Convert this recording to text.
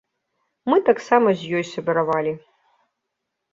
Мы таксама з ёй сябравалі.